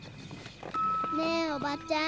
ねえおばちゃん。